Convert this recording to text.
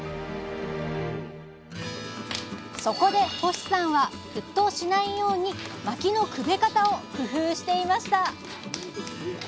そこで星さんは沸騰しないようにまきのくべ方を工夫していました